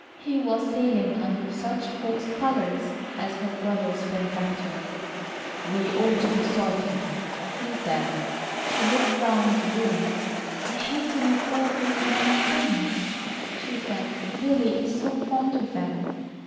He was sailing under such false colours as her brother's benefactor. "We ought to be starting," he said. She looked round the room. "I hate to leave all these nice things," she said. "Billy is so fond of them.